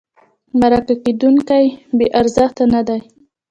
مرکه کېدونکی بې ارزښته نه دی.